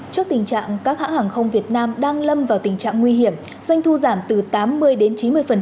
trước tình trạng các hãng hàng không việt nam đang lâm vào tình trạng nguy hiểm doanh thu giảm từ tám mươi đến chín mươi